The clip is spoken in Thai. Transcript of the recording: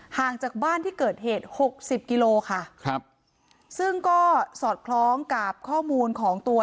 ห่างจากบ้านที่เกิดเหตุหกสิบกิโลค่ะครับซึ่งก็สอดคล้องกับข้อมูลของตัว